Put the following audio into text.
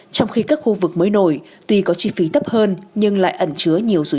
trong khi các khu vực mới nổi tuy có chi phí tấp hơn nhưng lại ẩn trừ